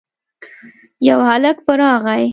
يو هلک په راغی.